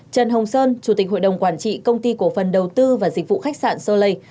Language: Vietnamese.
trần hồng sơn chủ tịch hội đồng quản trị công ty cổ phần đầu tư và dịch vụ khách sạn solei